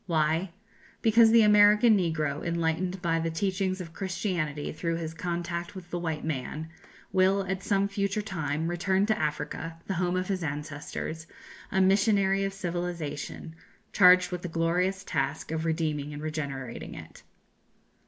Why? Because the American negro, enlightened by the teachings of Christianity through his contact with the white man, will, at some future time, return to Africa, the home of his ancestors, a missionary of civilization, charged with the glorious task of redeeming and regenerating it.